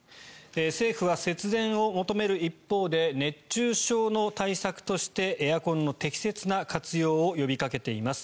政府は節電を求める一方で熱中症の対策としてエアコンの適切な活用を呼びかけています。